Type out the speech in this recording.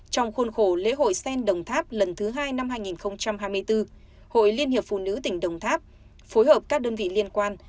trong khuôn khổ lễ hội sen đồng tháp lần thứ hai năm hai nghìn hai mươi bốn hội liên hiệp phụ nữ tỉnh đồng tháp phối hợp các đơn vị liên quan